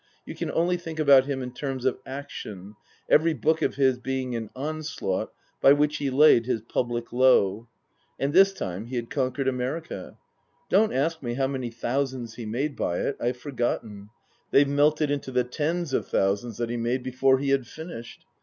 You can only think about him in terms of action, every book oi his being an onslaught by which he laid his public low. And this time he had conquered America. Don't ask me how many thousands he made by it. I ve forgotten. They've melted into the tens of thousands that he made before he had finished.